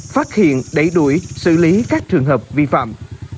phát hiện đẩy đuổi xử lý các trường hợp vi phạm